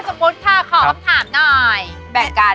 สมมุติเปล่าไรคะ